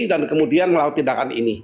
dan kemudian melakukan tindakan ini